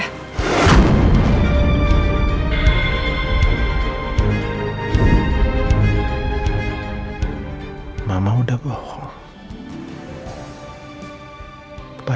ini saja naftahnya